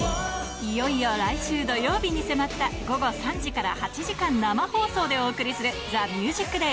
いよいよ来週土曜日に迫った、午後３時から８時間生放送でお送りする、ＴＨＥＭＵＳＩＣＤＡＹ